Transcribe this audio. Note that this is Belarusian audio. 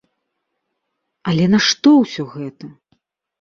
Але нашто ўсё гэта?